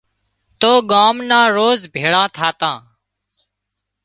تو ڳان نان روز ڀيۯان ٿاتان